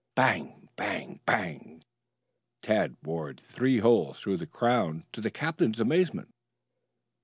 Bang, bang, bang! Tad bored three holes through the crown to the captain's amazement.